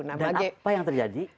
dan apa yang terjadi